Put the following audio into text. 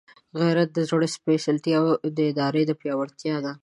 غیرت د زړه سپېڅلتیا او د ارادې پیاوړتیا ده.